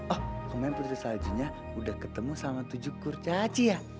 oh kemarin putri saljunya udah ketemu sama tujuh kurcaci ya